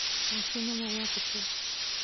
عکسونه مو واخیستل.